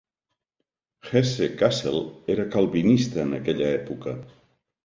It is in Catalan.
Hesse-Kassel era calvinista en aquella època.